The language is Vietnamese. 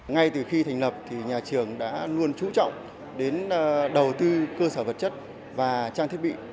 ngay từ khi thành lập nhà trường đã luôn trú trọng đến đầu tư cơ sở vật chất và trang thiết bị